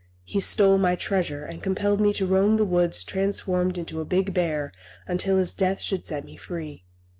He stole my treasure, and compelled me to roam the woods transformed into a big bear until his death should set me free.